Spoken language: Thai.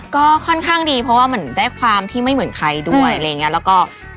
ก็ค่อนข้างดีเพราะว่ามันได้ความที่ไม่เหมือนใครด้วยอะไรอย่างนี้